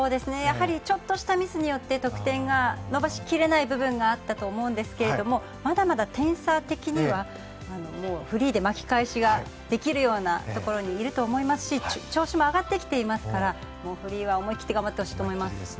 ちょっとしたミスによって得点が伸ばしきれない部分があったと思うんですけどもまだまだ点差的にはフリーで巻き返しができるようなところにいると思いますし調子も上がってきていますからフリーは思い切って頑張ってほしいと思います。